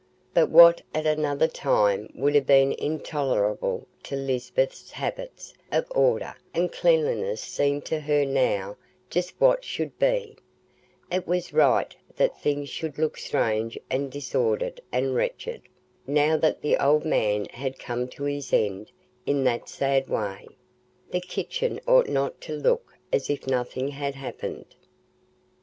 But what at another time would have been intolerable to Lisbeth's habits of order and cleanliness seemed to her now just what should be: it was right that things should look strange and disordered and wretched, now the old man had come to his end in that sad way; the kitchen ought not to look as if nothing had happened.